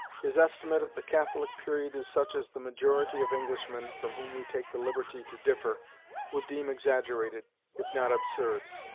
His estimate of the Catholic period is such as the majority of Englishmen (from whom we take the liberty to differ) would deem exaggerated, if not absurd.